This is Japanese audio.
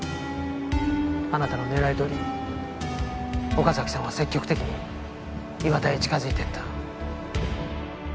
あなたの狙いどおり岡崎さんは積極的に岩田へ近づいていった。